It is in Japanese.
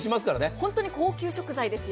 本当に高級食材ですよ。